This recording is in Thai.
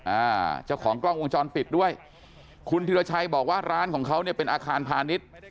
อ่าเจ้าของกล้องวงจรปิดด้วยคุณธิรชัยบอกว่าร้านของเขาเนี่ยเป็นอาคารพาณิชย์